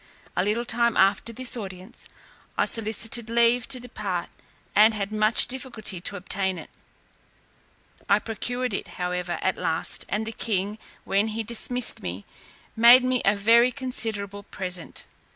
A little time after this audience, I solicited leave to depart, and had much difficulty to obtain it. I procured it however at last, and the king, when he dismissed me, made me a very considerable present.